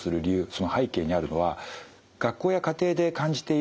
その背景にあるのは学校や家庭で感じているですね